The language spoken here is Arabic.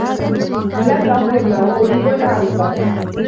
هناك أمر ما و أريد أن أعرفه.